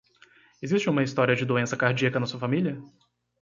Existe uma história de doença cardíaca na sua família?